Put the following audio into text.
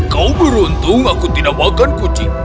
kau beruntung aku tidak makan kucing